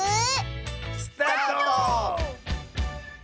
スタート！